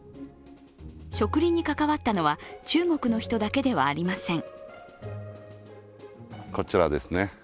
植林に関わったのは中国の人だけではありません。